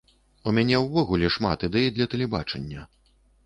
У мяне ўвогуле шмат ідэй для тэлебачання.